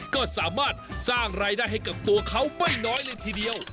ก็สามารถสร้างรายได้ให้กับตัวเขาไม่น้อยเลยทีเดียว